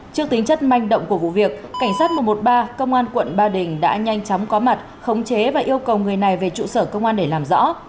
trước tính chất manh động của vụ việc cảnh sát một trăm một mươi ba công an quận ba đình đã nhanh chóng có mặt khống chế và yêu cầu người này về trụ sở công an để làm rõ